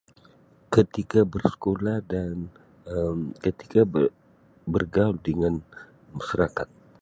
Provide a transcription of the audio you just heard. Ketika bersekolah dan Um ketika ber-bergaul dengan masyarakat.